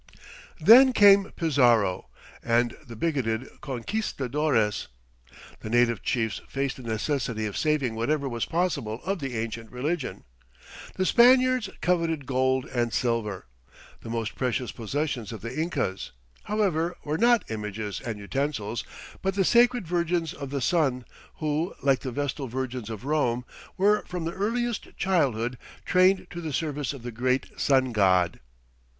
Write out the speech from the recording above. Then came Pizarro and the bigoted conquistadores. The native chiefs faced the necessity of saving whatever was possible of the ancient religion. The Spaniards coveted gold and silver. The most precious possessions of the Incas, however, were not images and utensils, but the sacred Virgins of the Sun, who, like the Vestal Virgins of Rome, were from their earliest childhood trained to the service of the great Sun God.